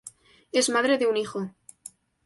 Es madre de un hijo.